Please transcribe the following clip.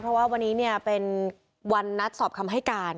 เพราะว่าวันนี้เป็นวันนัดสอบคำให้การ